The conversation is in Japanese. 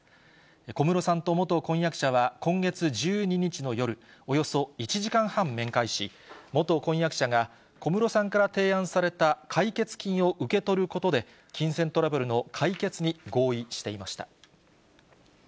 小室さんと元婚約者は、今月１２日の夜、およそ１時間半面会し、元婚約者が、小室さんから提案された解決金を受け取ることで、金銭トラブルの解決に合意していました。